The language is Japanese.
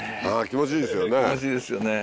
気持ちいいですよね。